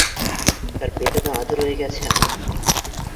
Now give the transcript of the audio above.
তার বেদনা আজও রয়ে গেছে আমার মনে।